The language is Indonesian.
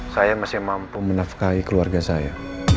saya masih mampu menafkahi keluarga saya